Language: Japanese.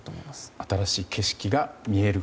新しい景色が見れる。